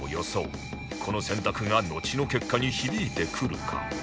この選択がのちの結果に響いてくるか？